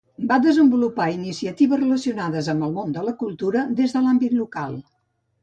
Va desenvolupar iniciatives relacionades amb el món de la cultura des de l'àmbit local.